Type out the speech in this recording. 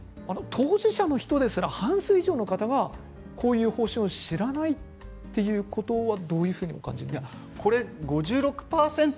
当事者の人たちの半数以上の方がこういう方針を知らないということはどういうふうにお感じになりますか？